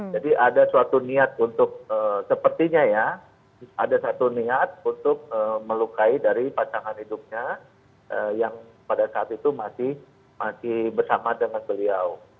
jadi ada suatu niat untuk sepertinya ya ada suatu niat untuk melukai dari pasangan hidupnya yang pada saat itu masih bersama dengan beliau